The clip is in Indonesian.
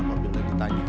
kopi yang ditanya